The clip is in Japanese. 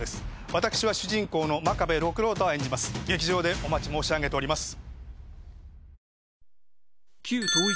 私は主人公の真壁六郎太を演じます劇場でお待ち申し上げております